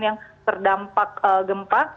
yang terdampak gempa